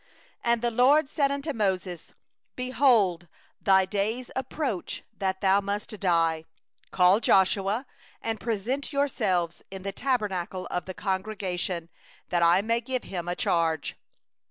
14And the LORD said unto Moses: 'Behold, thy days approach that thou must die; call Joshua, and present yourselves in the tent of meeting, that I may give him a charge.